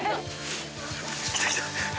来た、来た。